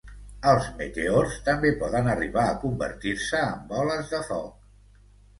Els meteors també poden arribar a convertir-se en boles de foc.